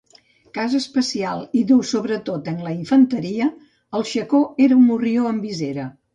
Cas especial, i d'ús sobretot en la infanteria, el xacó era un morrió amb visera.